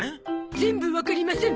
全部わかりません！